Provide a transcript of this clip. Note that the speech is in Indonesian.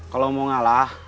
kalau mau ngalah